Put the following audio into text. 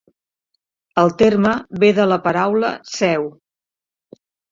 El terme ve de la paraula sèu.